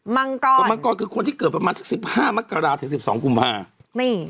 มังกรมังกรคือคนที่เกิดประมาณ๑๕มกราศี๑๒๕